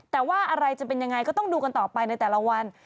แต่ว่าอะไรจะเป็นยังไงก็ต้องดูกันต่อไปในแต่ละวัน